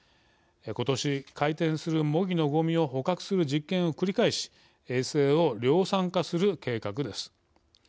ことし、回転する模擬のごみを捕獲する実験を繰り返し衛星を量産化する計画です。